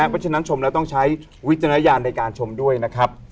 เพราะฉะนั้นชมแล้วต้องใช้วิจารณญาณในการชมด้วยนะครับ